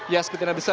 ya sekitarnya besar